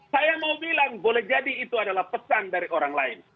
saya mau bilang boleh jadi itu adalah pesan dari orang lain